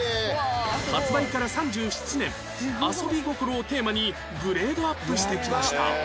発売から３７年遊び心をテーマにグレードアップしてきました